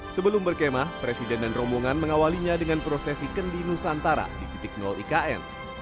sebelum berkemah presiden dan rombongan mengawalinya dengan prosesi kendi nusantara di titik ikn